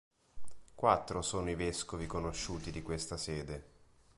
Quattro sono i vescovi conosciuti di questa sede.